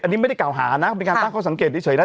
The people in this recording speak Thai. อันนี้ไม่ได้กล่าวหานะเป็นการตั้งข้อสังเกตเฉยนะ